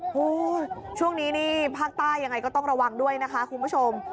ช่วงนี้นี่ภาคใต้ยังไงก็ต้องระวังด้วยนะคะคุณผู้ชม